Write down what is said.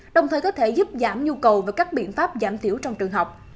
đồng thời có thể giúp giảm nhu cầu và các biện pháp giảm thiểu trong trường học